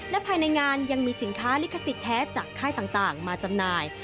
และภายในงานยังมีสินค้าลิขสิทธิแท้จากค่ายต่างมาจำหน่าย